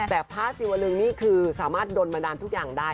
แต่พระศิวลึงนี่คือสามารถดนบันดาลทุกอย่างได้